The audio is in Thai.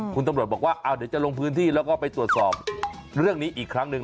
คุณตำรวจบอกว่าเดี๋ยวจะลงพื้นที่แล้วก็ไปตรวจสอบเรื่องนี้อีกครั้งหนึ่ง